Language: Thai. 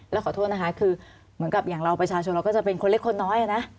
แล้วขอโทษนะคะคือเหมือนกับอย่างเราประชาชนเราก็จะเป็นคนเล็กคนน้อยนะ